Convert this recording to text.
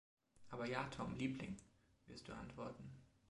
„Aber ja, Tom, Liebling“, wirst du antworten.